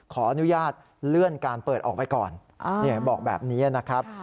ขออนุญาตเลื่อนการเปิดออกไปก่อนบอกแบบนี้นะครับ